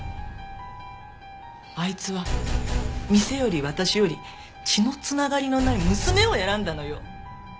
あいつは店より私より血の繋がりのない娘を選んだのよ。